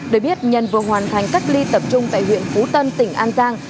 để biết nhân vừa hoàn thành cách ly tập trung tại huyện phú tân tỉnh an giang